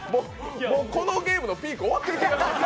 もうこのゲームのピーク終わってる感じ。